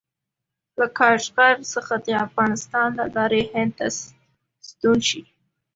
له کاشغر څخه د افغانستان له لارې هند ته ستون شي.